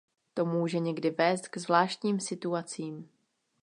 To může někdy vést k zvláštním situacím.